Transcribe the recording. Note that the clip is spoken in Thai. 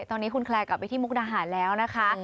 ตอนนี้คุณแคลร์กลับไปที่มุกดาหารแล้วนะคะ